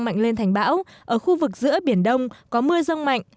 mạnh lên thành bão ở khu vực giữa biển đông có mưa rông mạnh